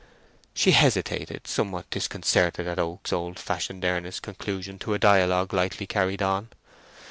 She hesitated, somewhat disconcerted at Oak's old fashioned earnest conclusion to a dialogue lightly carried on.